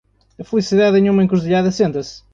A felicidade em uma encruzilhada senta-se.